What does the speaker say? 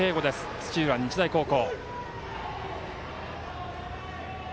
土浦日大高校。